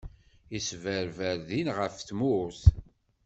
Isberber ddin ɣef tmurt.